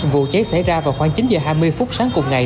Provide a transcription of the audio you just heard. vụ cháy xảy ra vào khoảng chín h hai mươi phút sáng cùng ngày